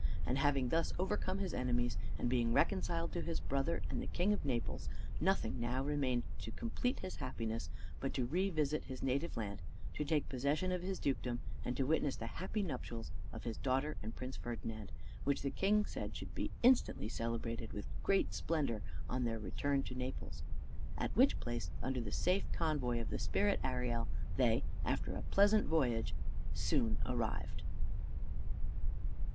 And having thus overcome his enemies, and being reconciled to his brother and the king of Naples, nothing now remained to complete his happiness, but to revisit his native land, to take possession of his dukedom, and to witness the happy nuptials of his daughter and Prince Ferdinand, which the king said should be instantly celebrated with great splendor on their return to Naples. At which place, under the safe convoy of the spirit Ariel, they, after a pleasant voyage, soon arrived.